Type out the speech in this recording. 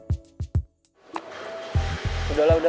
tunggu kita mau ke rumah